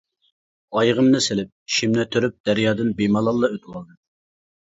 ئايىغىمنى سېلىپ، شىمنى تۈرۈپ دەريادىن بىمالاللا ئۆتىۋالدىم.